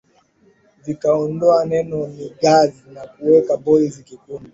vikaondoa neno Niggaz na kuweka Boys kikundi